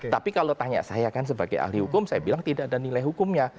tapi kalau tanya saya kan sebagai ahli hukum saya bilang tidak ada nilai hukumnya